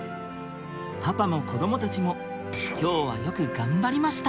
パパも子どもたちも今日はよく頑張りました！